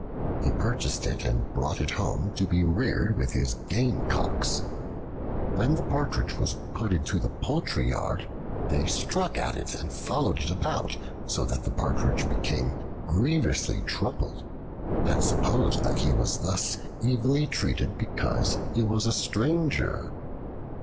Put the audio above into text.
He purchased it and brought it home to be reared with his Gamecocks. When the Partridge was put into the poultry yard, they struck at it and followed it about, so that the Partridge became grievously troubled and supposed that he was thus evilly treated because he was a stranger.